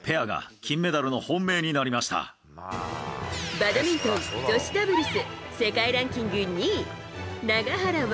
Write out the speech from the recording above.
バドミントン女子ダブルス世界ランキング２位永原和